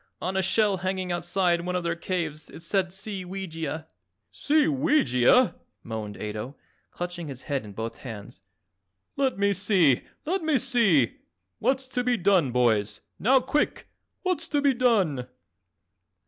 On a shell hanging outside of one of their caves it said 'Seeweegia.'" "Seeweegia!" moaned Ato, clutching his head in both hands. "Let me see! Let me see! What's to be done, boys? Now quick! What's to be done?"